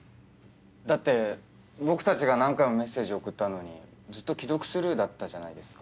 だって僕たちが何回もメッセージ送ったのにずっと既読スルーだったじゃないですか。